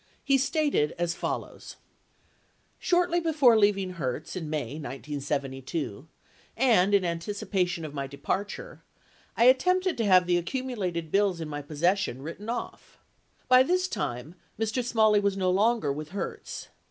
He stated as follows: Shortly before leaving Hertz in May 1972 and in antici pation of my departure, I attempted to have the accumulated bills in my possession written off. By this time Mr. Smalley was no longer with Hertz.